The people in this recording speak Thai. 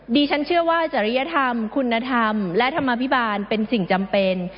ดิฉันเชื่อว่าจริยธรรมคุณธรรมและธรรมภิบาลเป็นสิ่งจำเป็น